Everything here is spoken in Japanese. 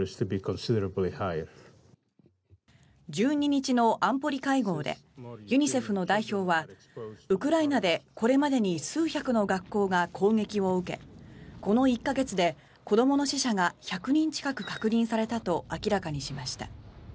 １２日の安保理会合でユニセフの代表はウクライナでこれまでに数百の学校が攻撃を受けこの１か月で子どもの死者が１００人近く確認されたと明らかにしました。